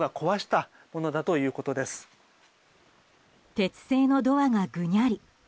鉄製のドアがぐにゃり。